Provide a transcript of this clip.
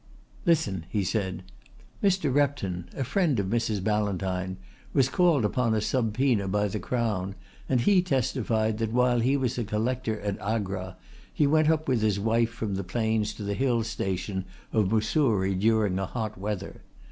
"Listen," he said. "Mr. Repton, a friend of Mrs. Ballantyne, was called upon a subpoena by the Crown and he testified that while he was a Collector at Agra he went up with his wife from the plains to the hill station of Moussourie during a hot weather.